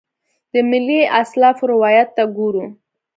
د ملي اسلافو روایت ته ګورو.